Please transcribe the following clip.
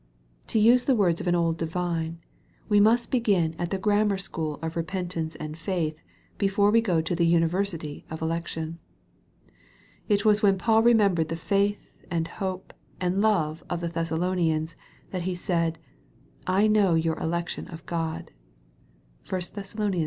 To use the words of an old divine, we must begin at the grammar school of repentance and faith before we go to the university of election. It was when Paul remembered the faith, and hope, and love of the Thessalonians, that he said, " I know your election of God."* (1 Thess. i. 4.)